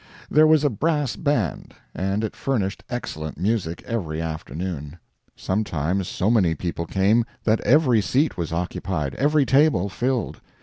There was a brass band, and it furnished excellent music every afternoon. Sometimes so many people came that every seat was occupied, every table filled.